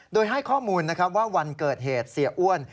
โดยให้ข้อมูลนะครับว่าวันเกิดเหตุเสียอ้วน